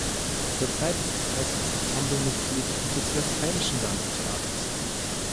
Zurzeit ist sie festes Ensemblemitglied des Westfälischen Landestheaters.